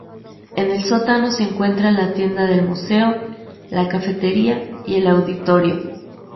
En el sótano se encuentran la tienda del museo, la cafetería y el auditorio.